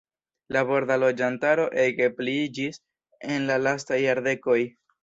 La borda loĝantaro ege pliiĝis en la lastaj jardekoj.